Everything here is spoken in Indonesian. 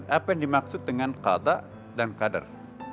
apa yang dimaksud dengan kadak dan kadar